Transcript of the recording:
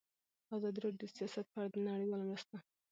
ازادي راډیو د سیاست په اړه د نړیوالو مرستو ارزونه کړې.